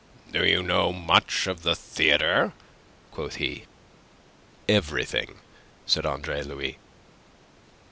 "Do you know much of the theatre?" quoth he. "Everything," said Andre Louis.